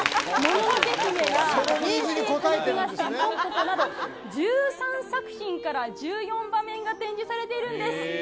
もののけ姫など、１３作品から１４場面が展示されているんです。